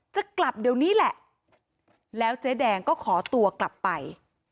จะกลับเดี๋ยวนี้แหละแล้วเจ๊แดงก็ขอตัวกลับไป